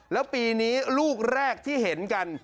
แล้วปีนี้ลูกแรกที่เห็นกัน